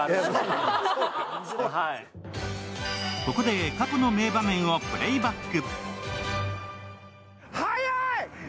ここで過去の名場面をプレーバック。